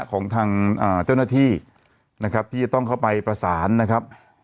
ของทางเจ้าหน้าที่นะครับที่จะต้องเข้าไปประสานนะครับ